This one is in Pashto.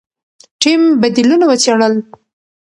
ټیم بدیلونه وڅېړل.